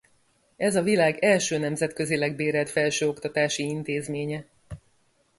Ez a világ első nemzetközileg bérelt felsőoktatási intézménye.